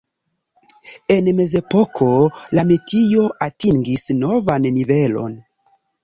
En Mezepoko la metio atingis novan nivelon.